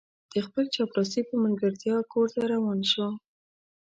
د خپل چپړاسي په ملګرتیا کور ته روان شو.